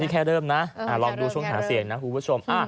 แค่เริ่มนะลองดูช่วงหาเสียงนะคุณผู้ชม